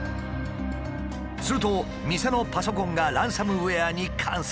すると店のパソコンがランサムウエアに感染。